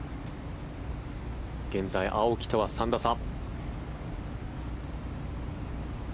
現在、青木とは３打差。